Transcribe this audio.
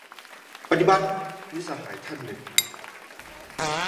ปฏิบัติ ! - มิตรสหายท่านหนึ่ง